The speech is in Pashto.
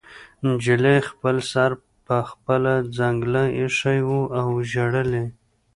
نجلۍ خپل سر په خپله څنګله ایښی و او ژړل یې